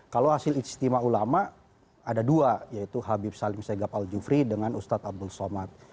kalau hasil ijtima ulama ada dua yaitu habib salim segab al jufri dengan ustadz abdul somad